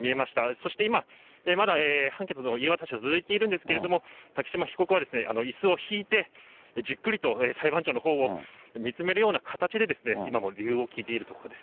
そして今、まだ判決の言い渡しは続いているんですけれども、竹島被告はいすを引いて、じっくりと裁判長のほうを見つめるような形で今も理由を聞いているところです。